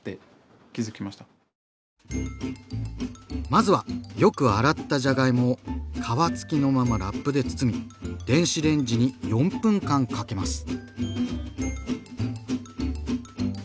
まずはよく洗ったじゃがいもを皮付きのままラップで包み電子レンジに４分間かけます。